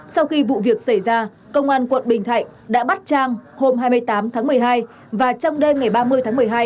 sau khi vụ việc xảy ra công an quận bình thạnh đã bắt trang hôm hai mươi tám tháng một mươi hai và trong đêm ngày ba mươi tháng một mươi hai